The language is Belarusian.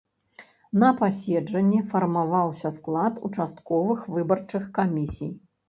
На паседжанні фармаваўся склад участковых выбарчых камісій.